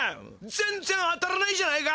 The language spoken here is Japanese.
ぜんぜん当たらないじゃないか。